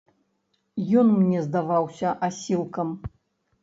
Ён мне здаваўся асілкам.